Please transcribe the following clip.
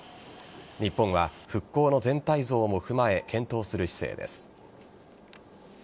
日本は、復興の全体像も踏まえ検討する姿勢です。